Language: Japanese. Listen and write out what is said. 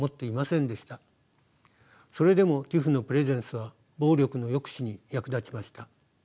それでもＴＩＰＨのプレゼンスは暴力の抑止に役立ちました。